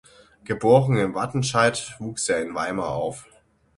Geboren in Wattenscheid, wuchs er in Weimar auf.